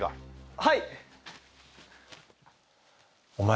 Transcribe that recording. はい。